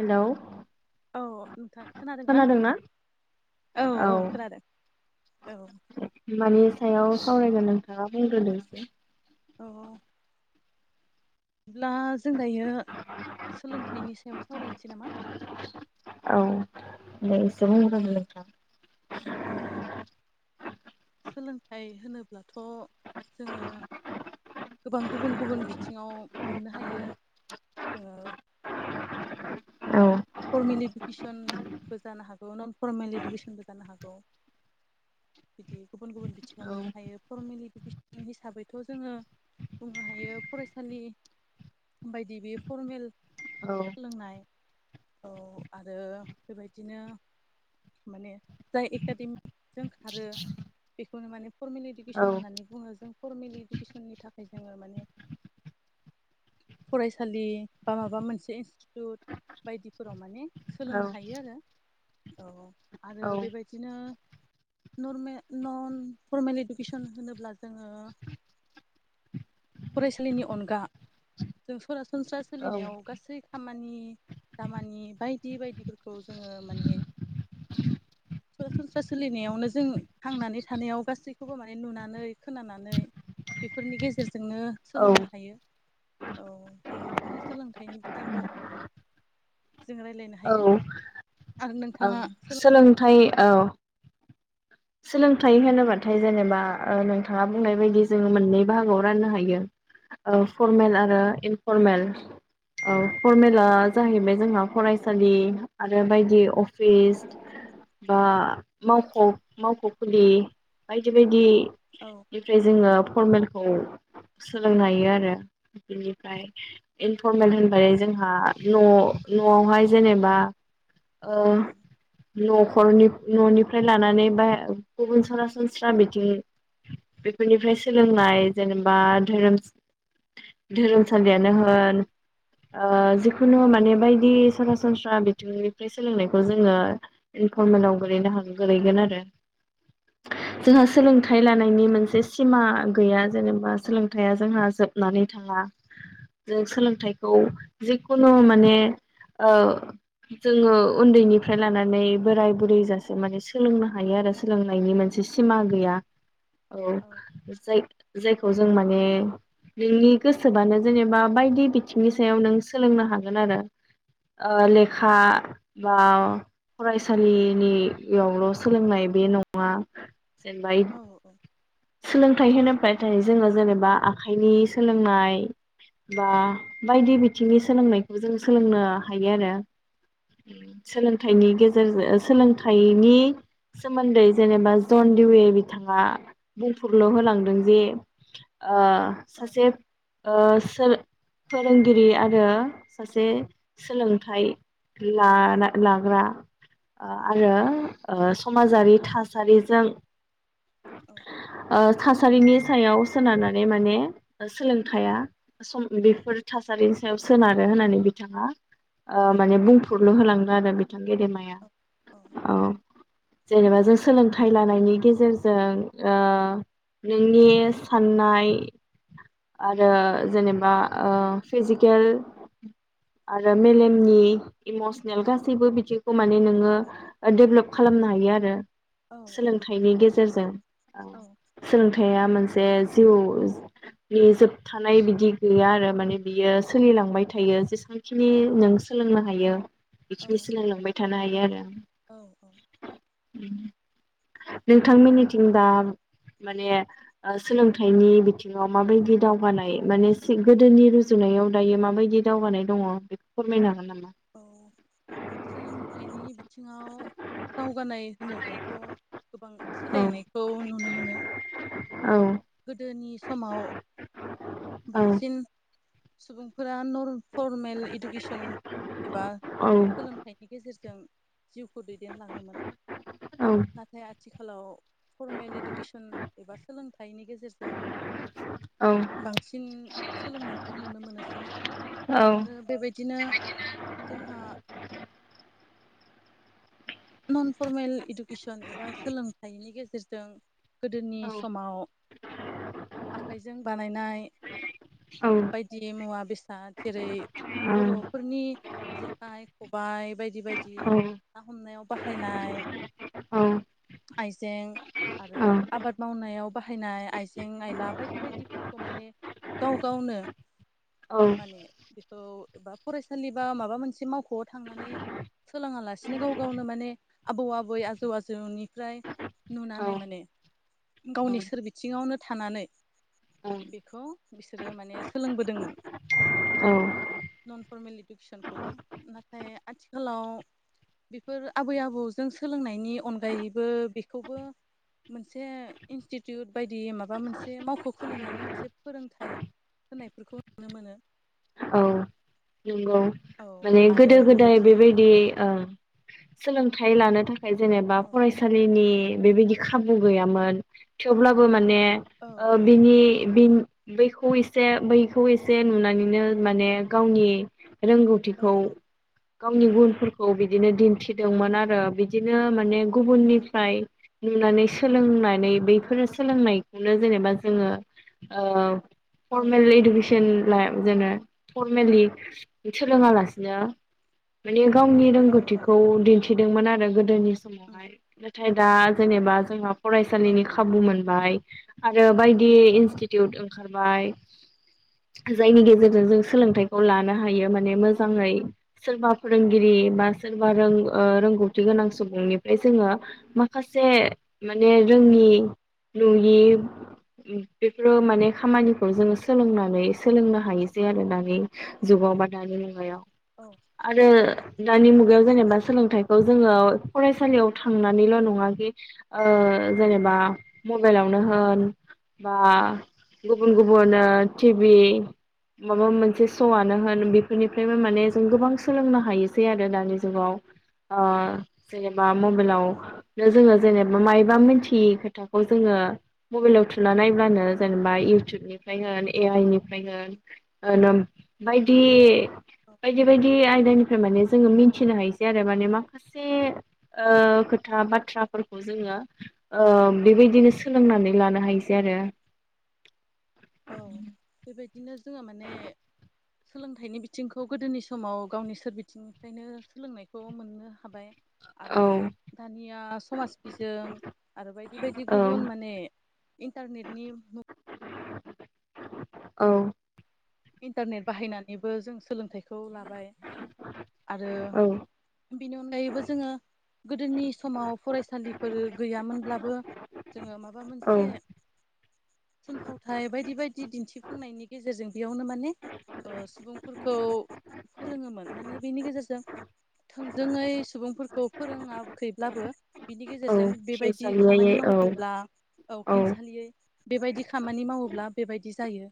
Hello औ नोंथां खोनादों ना? खोनादोंना औ औ खोनादों औ मानि सायाव सावरायगोन नोंथाङा बुंग्रोदो? औ ब्ला जों दायो सोलोंथाइनि सायाव सावरायनोसै नामा? औ दे इसे औ बुंग्रोदोलाय नोंथां? औ सोलोंथाइ होनोब्लाथ' जोङो गोबां गुबुन गुबुन बिथिङाव मोननो हायो जोङो औ फरमिलिन नेसन इडुकेसनबो जानो हागौ न' फरमेल इडुकेसनबो जानो हागौ बिदि गुबुन गुबुन बिथिङाव औ मोननो हायो फरमिल इडुकेसन हिसाबैथ' जोङो बुंनो हायो फरायसालि बायदि बे फरमेल औ सोलोंनाय औ आरो बेबायदिनो माने जाय एकाडेमिक जों खारो बेखौनो माने फरमेल इडुकेसन औ होननानै बुङो जों फरमेल इडुकेसननि थाखाय जोङो माने फरायसालि बा माबा मोनसे इनस्टिटिउट बायदि फोराव माने सोलोंनो हायो आरो औ आरो बेबायदिनो नरमे नन फर्मेल इडुकेसन होनोब्ला जोङो फरायसालिनि अनगा जों सरासन सनस्रा औ सोलिनायाव गासै खामानि दामानि बायदि बायदिफोरखौ जोङो माने सरासनस्रा सोलिनायावनो जों थांनानै थानायाव गासैखौबो माने नुनानै खोनानानै बेफोरनि गेजेर जोंनो औ सोलोंनो हायो औ बेबायदिनो सोलोंथाइनि बिथिंखौ जों रायलायनो हायो औ आरो औ नोंथाङा सोलों सोलोंथाइ औ सोलोंथाइ होनोबाथाय जेनेबा ओ नोंथाङा बुंनाय बायदि जोङो मोननै बाहागोआव राननो हायो ओ फरमेल आरो इनफरमेल ओ फरमेला जाहैबाय जोंहा फरायसालि आरो बायदि अफिस बा मावख' मावख'खुलि बायदि बायदि औ बेनिफ्राय जोङो फरमेलखौ सोलोंनो हायो आरो इनिफाय इनफरमेल होनोबाय जोंहा न' न'आवहाय जेनेबा ओ औ न'खरनि न'निफ्राय लानानै गुबुन सरासनस्रा बिथिं बेफोरनिफ्राय सोलोंनाय जेनेबा धोरोम धोरोमसालियानो होन ओ जिखुनु माने बायदि सरासनस्रा बिथिंनिफ्राय सोलोंनायखौ जोङो इनफरमेलाव गोलैनो हा गोलैगोन आरो जोंहा सोलोंथाइ लानायनि मोनसे सिमा गैया जेनेबा सोलोंथाइया जोंहा जोबनानै थाङा जों सोलोंथाइखौ जिखुनु माने ओ जोङो उन्दैनिफ्राय लानानै बोराय बुरैजासे माने सोलोंनो हायो आरो सोलोंनायनि मोनसे सिमा गैया औ जाय जायखौ जों माने नोंनि गोसोबानो जेनेबा बायदि बिथिंनि सायाव नों सोलोंनो हागोन आरो ओ लेखा बा फरायसालिनि यावल' सोलोंनाय बे नङा जेनबा औ सोलों थाइ होनोब्लाथाय जोङो जेनेबा आखाइनि सोलोंनाय बा बायदि औ बिथिंनि सोलोंनायखौ जों सोलोंनो हायो आरो सोलों थाइनि औ गेजेरजों सोलोंथाइनि सोमोन्दै जेनेबा जन दिवये बिथाङा बुंफुरलु होलां दों जे औ ओ औ सासे ओ सोर फोरोंगिरि आरो सासे सोलोंथाइ औ लाना लाग्रा ओ आरो ओ समाजारि थासारिजों औ ओ थासारिनि सायाव सोनारनानै माने सोलोंथाया सम बेफोर थासारिनि सायाव सोनारो होननानै बिथाङा ओ माने बुंफुरलु होलां आरो बि [inaudible] थां गेदेमाया औ जेनेबा जों सोलोंथाइ लानायनि गेजेरजों ओ नोंनि साननाय आरो जेनेबा ओ फिजिकेल आरो मेलेमनि इमसनेल गासैबो बिथिंखौ माने नोङो ओ डेभलप खा खालामनो हायो आरो सोलोंथाइनि गेजेरजों सोलोंथाइया मोनसे जे जिउ [inaudible] नि जोबथानाय बिदि गैया आरो माने बियो सोलिलांबाय थायो ज खिनि नों सोलोंना [inaudible] हायो औ बेखिनि सोलोंलांबाय थानो हायो। आरो औ उम नोंथांमोननिथिं दा माने सोलोंथाइनि बिथिङाव माबायदि दावगानाय माने गोदोनि रुजुनायाव दायो माबायदि दावगानाय दङ' बेखौ फोरमायनो हागोन नामा? औ सोलोंथाइनि बिथिङाव दावगानाय होनोब्लाथ' गोबां औ सोलायनायखौ नुनो मोनो। औ गोदोनि समाव औ बांसिन सुबुं फोरा नरफरमेल इदुकेसन एबा औ सोलोंथाइनि गेजेरजों जिउ खौ दैदेनलाङोमोन औ नाथाय आथि खालाव फरमेल इदुकेसन एबा सोलों थाइनि गेजेरजों औ बांसिन सोलोंनायखौ नुनो मोनोसै आरो बेबायदिनो जोंहा नन फरमेल इदुकेसन एबा सोलोंथाइनि गेजेरजों गोदोनि समाव आखाइजों बानायनाय बायदि मुवा बे [unintelligible] जेरै बर'फोरनि जेखाइ खबाइ बाय दि बायदि औ ना हमनायाव बाहायनाय औ आइजें औ आरो आबाद मावनायाव बाहायनाय आइजें आइला बायदि बायदिफोरखौ माने गाव गावनो माने बिखौ एबा फरायसालि बा माबा मोनसे मावख'आव थांनानै सोलोङा लासिनो गाव गावनो माने आबौ आबै आजौ आजौनिफ्राय औ नुनानै माने गावनि सोरबिथिङावनो थानानै औ बेखौ बिसोरो माने सोलोंबोदोंमोन नन फरमेल इडुकेसनखौबो। नाथाय आथिखालाव बेफोर आबै आबौजों सोलोंनायनि अनगायैबो बेखौबो मोनसे इनस्टिटिउट बाय दि माबा मोनसे मावख' खुलिनानै एसे फोरोंथाइ होनायफोरखौ नुनो मोनो। औ नंगौ औ माने आरो गोदो गोदाय बेबायदिनो जोङो बेबायदि-ओ सोलोंथाइ लानो थाखाय जेनेबा औ फरायसालिनि। बेबायदि खाबु गैयामोन थेवब्लाबो मा। ने औ औ ओ-बिनि-बिन। बैखौ एसे बैखौ एसे नुनानैनो माने गावनि औ रोंगौथिखौ गावनि गुनफोरखौ बिदिनो दिन्थिदोंमोन आरो बिदिनो माने। औ औ गुबुननिफ्राय नुनानै सो। सोलोंनानै बैफोरो सोलोंनायखौनो जेनेबा जोङो-ओ। औ फरमेल इदुकेस। [unintelligible] फर्मेलि सोलोङालासिनो माने। गावनि औ औ रोंगौथिखौ दिन्थि दोंमोन आरो गोदोनि समावहाय नाथाय दा जेनेबा जोंहा फरायसालिनि खाबु मोनबाय आरो बायदि इनस्टिटिउट ओंखारबाय जायनि गेजेरजों जों। सोलोंथाइखौ लानो हायो माने मोजाङै सोरबा फोरोंगिरि बा सोरबा रों-रोंगौथि गोनां सुबुंनिफ्राय जोङो माखासे। माने रोङि नुयि बेफोरो माने खामानिखौ जोङो सोलोंनानै सोलोंनो हायसे आरो दा। नि जुगाव बा दानि लुगायाव। औ आरो दानि मुगायाव जेनेबा सोलोंथाइखौ जोङो। फरायसालियाव थांनानैल नङा-बे ओ-जेनेबा मबाइलावनो होन बा गुबुन गुबुन टिभि माबा मोन। मोनसे सआनो होन बेफोरनिफ्रायबो माने जों गोबां सोलोंनो हायोसै आरो दानि जुगाव ओ जेनेबा। मबाइलआव औ नो जोङो जेनेबा मायबा मिथियि खोथाखौ जोङो मबेलाव थु। नायब्लानो औ जेनेबा इउटुबनि। होन ए आइनि [unintelligible] बायदि बायदि बायदि आयदानि माने जोङो मिथिनो हायोसै आरो माने माखासे ओ-खोथा बाथ्राफोरखौ जोङो ओ-बेबायदिनो सोलोंनानै लानो हायोसै आरो। औ बेबायदिनो जोङो माने सोलोंथाइनि बिथिंखौ गोदोनि समाव गावनि सोर बिथिंनिफ्रायनो सोलोंनायखौ मोननो हाबाय। आरो औ दानिया समाज बिजों आरो बायदि बायदि औ गुबुन माने इन्टारनेटनि औ। इन्टारनेट बाहायनानैबो जों सोलोंथाइ खौ लाबाय आरो औ बेनि अनगायैबो जोङो गोदोनि समाव फरायसालिफोर गैयामोनब्लाबो जोङो माबा मोनसे औ थुनफावथाय बायदि बायदि दिन्थिफुंनायनि गेजेरजों बेयावनो माने ओ सुबुंफोरखौ फोरोङोमोन माने बिनि गेजेरजों थोंजोङै सुबुंफोरखौ फोरोङाखैब्लाबो बिनि औ गेजेरजों बेबायदि खामानि खेंसालियायै औ मावोब्ला औ खेंसालियै बेबायदि खामानि मावोब्ला बेबायदि जायो।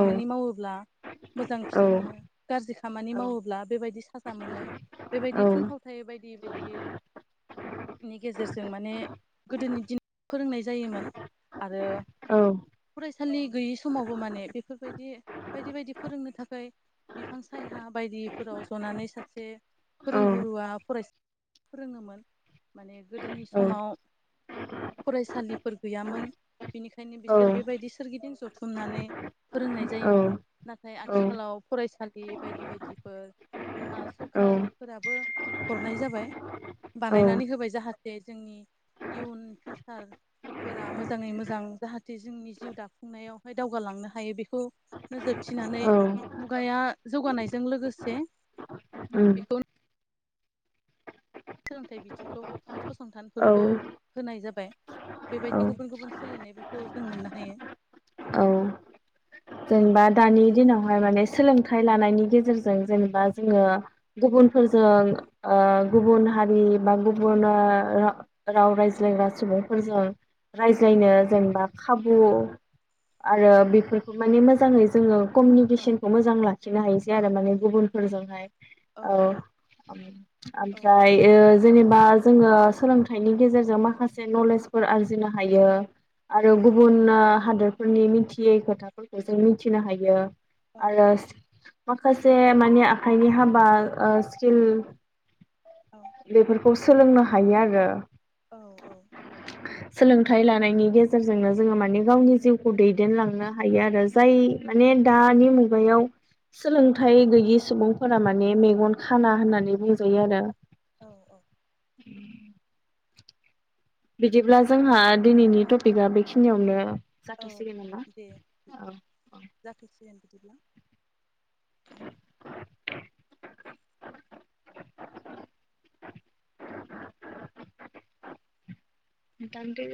औ मावोब्ला मोजां औ फिथाइ मोनो गाज्रि खामानि औ मावोब्ला बेबायदि साजा मोनो। औ बेबायदि थुनफावथाय बायदि बायदि बिनि गेजेरजों माने गोदोनि दिनाव फोरोंनाय जायोमोन आरो औ फरायसालि गैयि समावबो माने बेफोर बैदि बायदि बायदि बायदि फोरोंनो थाखाय बिफां सायाया बायदिफोराव जनानै सासे औ फोरोंगुरुआ फरायसा फोरोङोमोन। माने गोदोनि समाव फरायसालि फोर गैयामोन। बिनिखायनो औ बिसोर बेबायदि सोरगिदिं जथुमनानै फोरोंनाय जायोमोन नाथाय आथिखालाव फरायसालि बायदि बायदिफोर जोंहा सरखारफोराबो हरनाय जाबाय बानायनानै होबाय जाहोन जाहाथे जोंनि इयुन फिउसारफोरा मोजाङै मोजां जाहाथे जोंनि जिउ दाफुंनायावहाय दावगालांनो हायो। हायो बेखौ नोजोर थिनानै मुगाया जौगानायजों लोगोसे उम बेखौ सोलोंथाइ बिथिंखौ फसंथानफोरखौ औ होनाय जाबाय। औ बेबायदि गुबुन गुबुन सोलायनायफोरखौ जों मोननो हायो। औ जेनेबा दानि दिनावहाय माने सोलोंथाइ थाइ लानायनि गेजेरजों जेनेबा जोङो गुबुनफोरजों गुबुन हारि बा गुबुन राव रायज्लायग्रा सुबुंफोरजों औ रायज्लायनो जेनेबा खाबु औ आरो बेफोर माने मोजाङै जोङो औ कमिउनिकेसनखौ मोजां लाखिनो हायोसै औ आरो माने औ गुबुनफोरजोंहाय औ औ ओमफ्राय ओ जेनेबा जोङो सोलोंथाइनि गेजेरजों माखासे नलेजफोर आरजिनो हायो। आरो औ गुबुनो हादोरफोरनि मिथियै खोथा खौ जों मिथिनो हायो। औ आरो माखासे माने आखाइनि हाबा स्किल बेफोर सोलोंनो हायो आरो। औ औ सोलोंथाइ लानायनि गेजेरजोंनो जोङो माने गावनि जिउखौ दैदेन लांनो हायो आरो जाय माने दानि मुगायाव सोलोंथाइ गैयि सुबुंफोरा माने मेगन खाना होननानै बुंजायो आरो। औ औ ओम बिदिब्ला जोंहा दिनैनि बिदिब्ला टपिकआ बेखिनियावनो औ जाथ'सिगोन नामा दे औ औ दे बिदिब्ला [unintelligible] नोंथांनो